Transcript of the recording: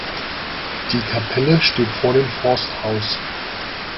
Die Kapelle steht vor dem Forsthaus.